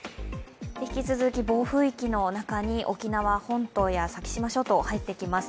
引き続き暴風域の中に沖縄本島や先島諸島、入ってきます。